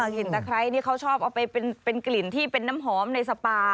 ตะไคร้นี่เขาชอบเอาไปเป็นกลิ่นที่เป็นน้ำหอมในสปา